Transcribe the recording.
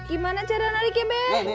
gimana cara nariknya be